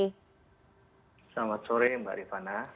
selamat sore mbak rifana